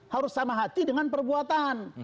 harus sama hati dengan perbuatan